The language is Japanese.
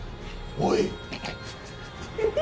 おい。